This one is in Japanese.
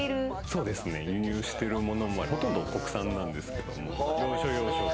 そうですね、輸入されたものも、ほとんど国産なんですけれども、要所要所で。